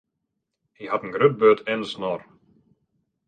Hy hat in grut burd en in snor.